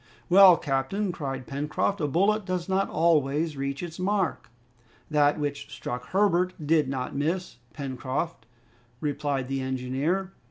"Well, captain," cried Pencroft, "a bullet does not always reach its mark." "That which struck Herbert did not miss, Pencroft," replied the engineer.